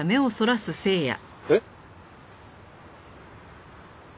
えっ？